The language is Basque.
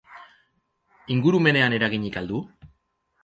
Ingurumenean eraginik al du?